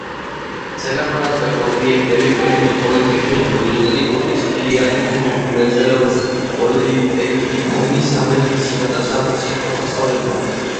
საგანმანათლებლო ობიექტები: პერმის პოლიტექნიკური ინსტიტუტის ფილიალი, მსუბუქი მრეწველობის პოლიტექნიკუმი, სამედიცინო და სამუსიკო სასწავლებლები.